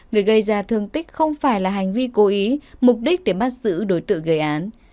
việc gây ra thương tích không phải là hành vi cố ý mục đích để bắt giữ đối tượng gây án